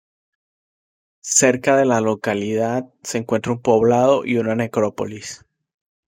Cerca de la localidad se encuentra un poblado y una necrópolis.